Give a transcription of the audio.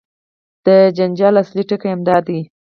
د جنجال اصلي ټکی همدا دی.